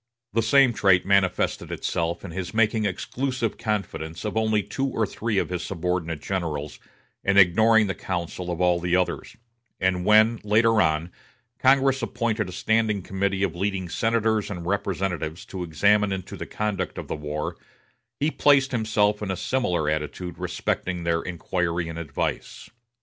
The same trait manifested itself in his making exclusive confidants of only two or three of his subordinate generals, and ignoring the counsel of all the others; and when, later on, Congress appointed a standing committee of leading senators and representatives to examine into the conduct of the war, he placed himself in a similar attitude respecting their inquiry and advice.